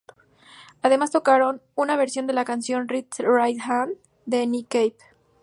Además tocaron una versión de la canción "Red Right Hand" de Nick Cave.